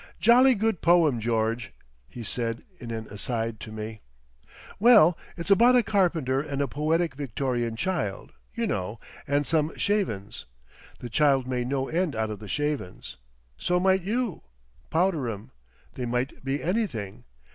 "Jolly good poem, George," he said in an aside to me. "Well, it's about a carpenter and a poetic Victorian child, you know, and some shavin's. The child made no end out of the shavin's. So might you. Powder 'em. They might be anything.